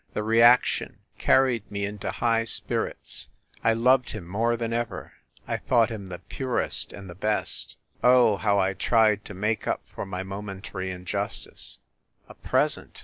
The reaction carried me into high spirits ; I loved him more than ever ; I thought him the purest and the best. Oh, how I tried to make up for my momentary injustice! A present!